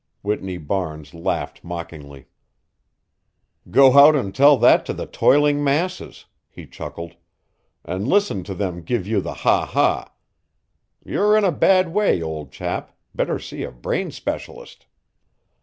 Whitney Barnes laughed mockingly. "Go out and tell that to the toiling masses," he chuckled, "and listen to them give you the ha ha. You're in a bad way, old chap better see a brain specialist."